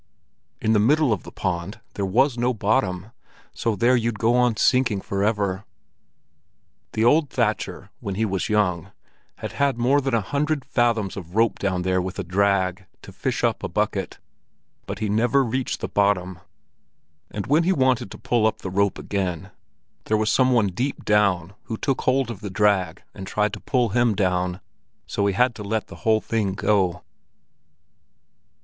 In the middle of the pond there was no bottom, so there you'd go on sinking forever! The old thatcher, when he was young, had had more than a hundred fathoms of rope down there with a drag, to fish up a bucket, but he never reached the bottom. And when he wanted to pull up the rope again, there was some one deep down who caught hold of the drag and tried to pull him down, so he had to let the whole thing go.